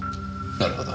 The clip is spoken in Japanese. なるほど。